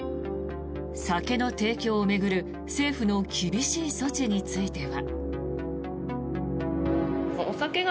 酒の提供を巡る政府の厳しい措置については。